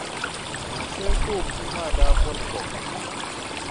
Dahinshɛli ka o puu maa daa bɔri kɔbu.